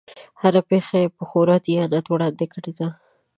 هره پېښه یې په خورا دیانت وړاندې کړې ده.